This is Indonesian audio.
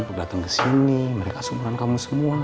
mau dateng kesini mereka sumberan kamu semua